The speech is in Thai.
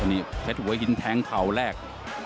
นี่เพลชหวยินแท้งข่าวแรก